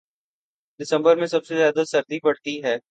دسمبر میں سب سے زیادہ سردی پڑتی